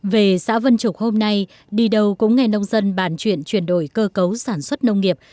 về xã vân trục hôm nay đi đâu cũng nghe nông dân bàn chuyện chuyển đổi cơ cấu sản xuất nông nghiệp